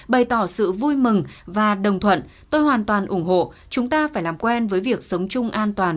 bày tỏ sự vui mừng và đồng thuận tôi hoàn toàn ủng hộ chúng ta phải làm quen với việc sống chung an toàn